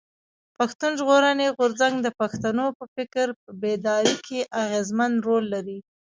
پښتون ژغورني غورځنګ د پښتنو په فکري بيداري کښي اغېزمن رول لري.